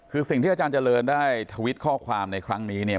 คือสิ่งที่อาจารย์เจริญได้ทวิตข้อความในครั้งนี้เนี่ย